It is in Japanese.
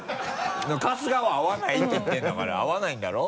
でも春日は合わないって言ってるんだから合わないんだろ？